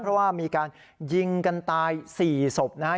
เพราะว่ามีการยิงกันตาย๔ศพนะฮะ